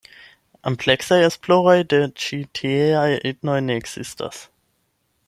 Ampleksaj esploroj de ĉi tieaj etnoj ne ekzistas.